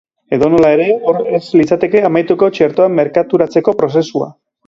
Edonola ere, hor ez litzateke amaituko txertoa merkaturatzeko prozesua.